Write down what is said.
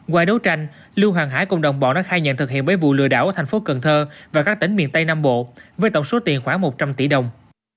qua đấu tranh lưu hoàng hải cùng đồng bọn đã khai nhận thực hiện bảy vụ lừa đảo ở thành phố cần thơ và các tỉnh miền tây nam bộ với tổng số tiền khoảng một trăm linh tỷ đồng